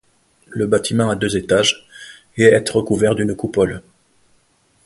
Le bâtiment a deux étages et est recouvert d'une coupole.